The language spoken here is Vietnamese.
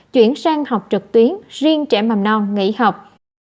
chuyển sang học trực tuyến riêng trẻ mầm non nghỉ học